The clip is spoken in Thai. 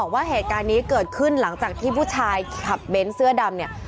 ว่าเหตุการณ์นี้เกิดขึ้นหลังจากที่ผู้ชายขับเบ้นเสื้อดำเนี่ย